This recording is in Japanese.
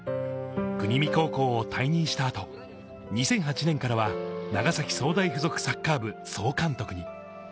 国見高校を退任したあと２００８年からは長崎総大附属サッカー部総監督に。